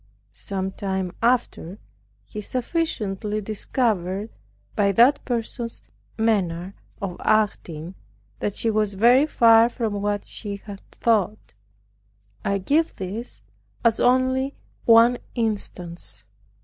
Some time after he sufficiently discovered, by that person's manner of acting, that she was very far from what he had thought. I give this as only one instance.